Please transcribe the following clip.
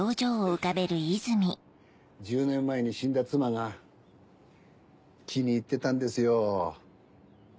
１０年前に死んだ妻が気に入ってたんですよ。